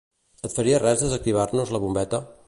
Et faria res desactivar-nos la bombeta?